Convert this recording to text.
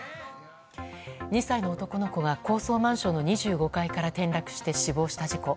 ２歳の男の子が高層マンションの２５階から転落して死亡した事故。